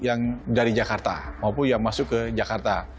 yang dari jakarta maupun yang masuk ke jakarta